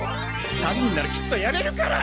３人ならきっとやれるから！